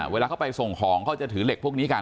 เวลาเขาไปส่งของเขาจะถือเหล็กพวกนี้กัน